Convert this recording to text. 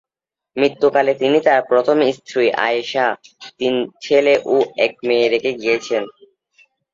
মৃত্যুকালে তিনি তার প্রথম স্ত্রী আয়েশা, তিন ছেলে ও এক মেয়ে রেখে গিয়েছেন।